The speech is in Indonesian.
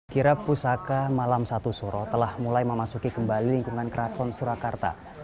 kira pusaka malam satu suro telah mulai memasuki kembali lingkungan keraton surakarta